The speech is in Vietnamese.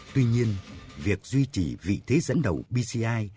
tuy nhiên việc duy trì vị thế dẫn đầu bci